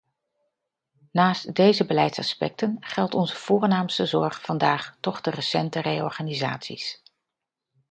Naast deze beleidsaspecten geldt onze voornaamste zorg vandaag toch de recente reorganisaties.